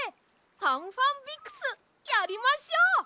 「ファンファンビクス」やりましょう！